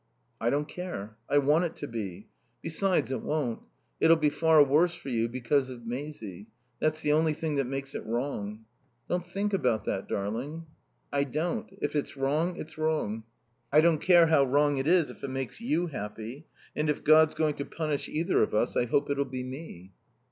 "I don't care. I want it to be. Besides, it won't. It'll be far worse for you because of Maisie. That's the only thing that makes it wrong." "Don't think about that, darling." "I don't. If it's wrong, it's wrong. I don't care how wrong it is if it makes you happy. And if God's going to punish either of us I hope it'll be me."